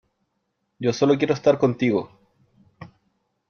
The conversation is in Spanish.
yo solo quiero estar contigo .